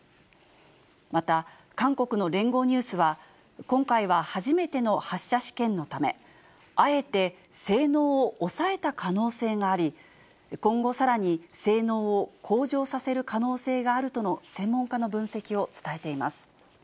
また、韓国の聯合ニュースは、今回は初めての発射試験のため、あえて性能を抑えた可能性があり、今後さらに性能を向上させる可能性があるとの専門家の分析を伝えています。